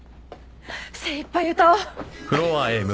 精いっぱい歌おう！